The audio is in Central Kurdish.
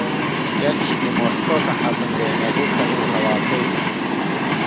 یەک شتی مۆسکۆ کە حەزم لێی نەبوو، کەشوهەواکەی بوو.